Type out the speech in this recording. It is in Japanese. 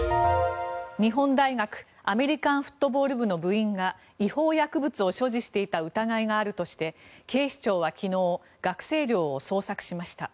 日本大学アメリカンフットボール部の部員が違法薬物を所持していた疑いがあるとして警視庁は昨日学生寮を捜索しました。